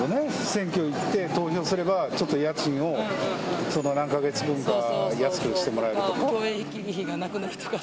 選挙行って投票すれば、ちょっと家賃を何か月分か安くしてもらえるとか。